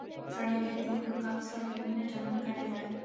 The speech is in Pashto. سړی باید د مخلوقاتو سره په مینه چلند کړی وای.